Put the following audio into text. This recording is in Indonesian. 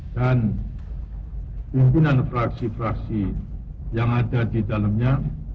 dan pimpinan fraksi fraksi yang ada di dalamnya